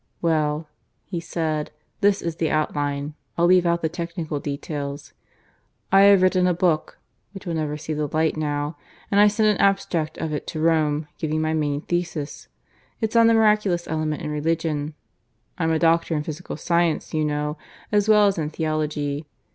"Well," he said. "This is the outline; I'll leave out technical details. I have written a book (which will never see the light now) and I sent an abstract of it to Rome, giving my main thesis. It's on the miraculous element in Religion. I'm a Doctor in Physical Science, you know, as well as in Theology.